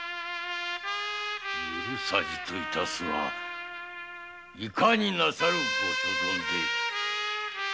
許さじといたすはいかになさるご所存で。